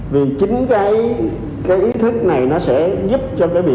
vì chính cái ý thức này nó sẽ giúp cho cái việc